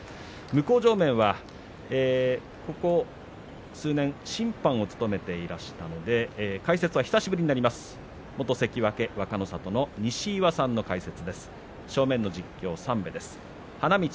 向正面は、ここ数年審判を務めていましたので解説は久しぶりになります元若の里の西岩さんの解説。